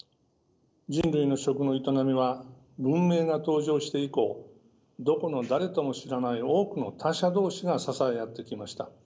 人類の食の営みは文明が登場して以降どこの誰とも知らない多くの他者同士が支え合ってきました。